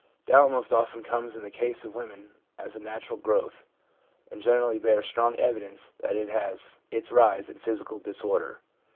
Doubt most often comes in the case of women as a natural growth, and generally bears strong evi dence that it has its rise in physical disorder.